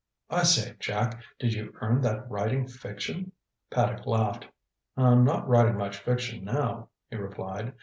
"I say, Jack, did you earn that writing fiction?" Paddock laughed. "I'm not writing much fiction now," he replied.